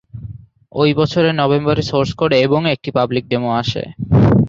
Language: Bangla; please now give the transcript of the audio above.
অই বছরের নভেম্বরে সোর্স কোড এবং একটি পাবলিক ডেমো আসে।